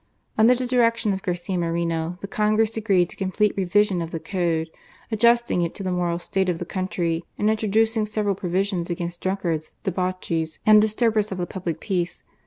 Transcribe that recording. Under the direction of Garcia Moreno, fhe Congress agreed to a complete revision of the code, adjusting it to the moral state of the country, and introducing several provisions against drunkards, debauchees, and disturbers of the public peace.